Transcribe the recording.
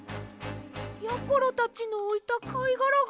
やころたちのおいたかいがらが。